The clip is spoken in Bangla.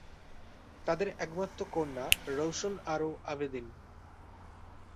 তাদের একমাত্র কন্যা রওশন আরা আবেদীন।